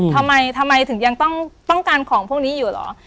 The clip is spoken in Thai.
ทำไมทำไมถึงยังต้องการของพวกนี้อยู่เหรอ